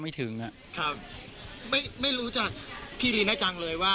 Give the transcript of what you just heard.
แล้วอันนี้ก็เปิดแล้ว